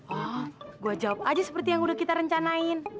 ah gue jawab aja seperti yang udah kita rencanain